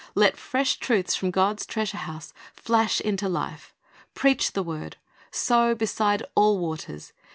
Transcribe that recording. Let fresh truths from God's treasure house flash into life. "Preach the word." "Sow beside all waters."